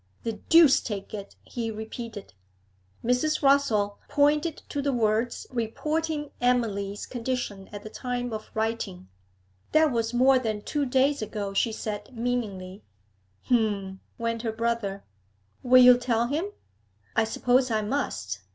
'The deuce take it!' he repeated. Mrs. Rossall pointed to the words reporting Emily's condition at the time of writing. 'That was more than two days ago,' she said meaningly. 'H'm!' went her brother. 'Will you tell him?' 'I suppose I must.